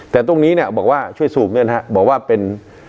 แต่ตรงนี้เนี่ยบอกว่าช่วยซูมด้วยนะครับบอกว่าเป็น